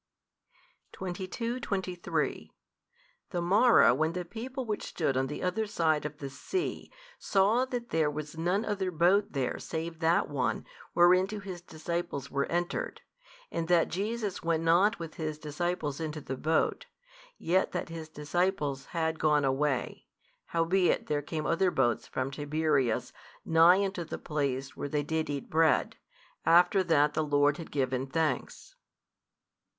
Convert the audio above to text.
22, 23 The morrow, when the people which stood on the other side of the sea saw that there was none other boat there save that one whereinto His disciples were entered, and that Jesus went not with His disciples into the boat, yet that His disciples had gone away, howbeit there came other boats from Tiberias nigh unto the place where they did eat bread, after that the Lord had given thanks.